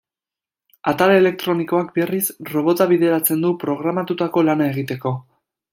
Atal elektronikoak, berriz, robota bideratzen du programatutako lana egiteko.